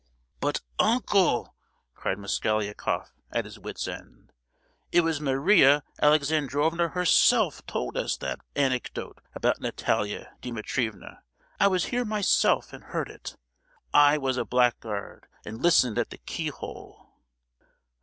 "But, uncle!" cried Mosgliakoff, at his wits' end, "it was Maria Alexandrovna herself told us that anecdote about Natalia Dimitrievna! I was here myself and heard it!—I was a blackguard, and listened at the keyhole!"